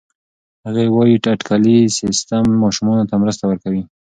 هغې وايي اټکلي سیستم ماشومانو ته مرسته ورکوي.